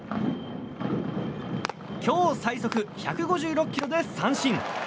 今日最速１５６キロで三振。